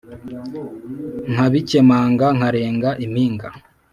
Nkabikempanga nkarenga impinga